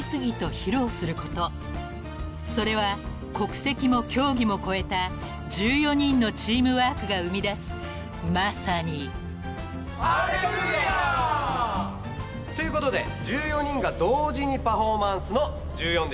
［それは国籍も競技も超えた１４人のチームワークが生み出すまさに］ということで１４人が同時にパフォーマンスの「１４」でした。